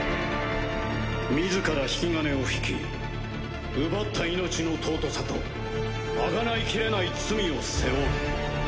自ら引き金を引き奪った命の尊さとあがないきれない罪を背負う。